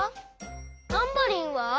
タンバリンは？